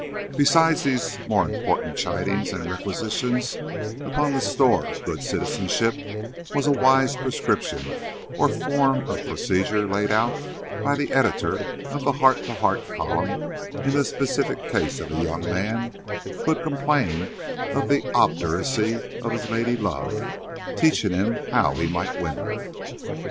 Besides these more important chidings and requisitions upon the store of good citizenship was a wise prescription or form of procedure laid out by the editor of the heart to heart column in the specific case of a young man who had complained of the obduracy of his lady love, teaching him how he might win her.